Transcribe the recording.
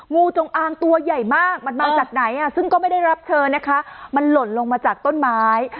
งูจงอางตัวใหญ่มากมันมาจากไหนซึ่งก็ไม่ได้รับเธอนะคะมันหล่นลงมาจากต้นไม้